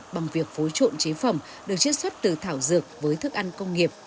bằng việc phối trộn chế phẩm được chế xuất từ thảo dược với thức ăn công nghiệp